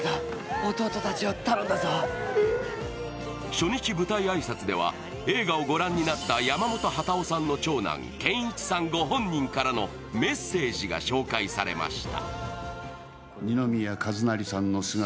初日舞台挨拶では映画をご覧になった山本幡男さんの長男、顕一さんご本人からのメッセージが紹介されました。